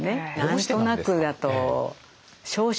「何となく」だと「少々」